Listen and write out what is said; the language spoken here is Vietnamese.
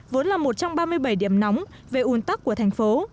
vốn là một trong ba mươi bảy điểm nóng về un tắc của thành phố